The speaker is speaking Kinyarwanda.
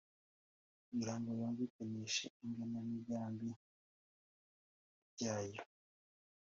kugirango yumvikanishe igenamigambi ryayo,